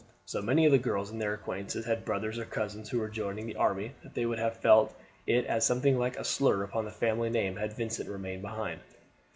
So many of the girls of their acquaintance had brothers or cousins who were joining the army, that they would have felt it as something like a slur upon the family name had Vincent remained behind.